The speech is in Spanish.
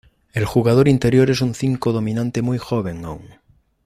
El jugador interior es un cinco dominante muy joven aún.